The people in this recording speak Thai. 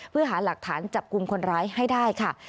เพื่อหาหลักฐานจับกลุ่มคนร้ายให้ได้ค่ะ